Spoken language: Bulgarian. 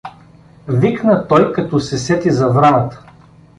Викна той, като се сети за враната.